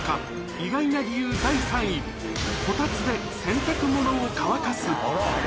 意外な理由第３位、こたつで洗濯物を乾かす。